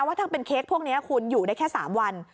ว่าถ้าเป็นเค้กพวกนี้คุณอยู่ได้แค่๓วัน